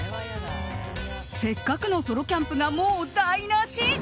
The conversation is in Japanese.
せっかくのソロキャンプがもう台無し！